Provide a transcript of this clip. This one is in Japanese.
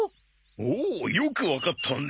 おおよくわかったね。